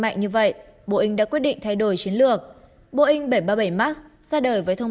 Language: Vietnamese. mạnh như vậy boeing đã quyết định thay đổi chiến lược boeing bảy trăm ba mươi bảy max ra đời với thông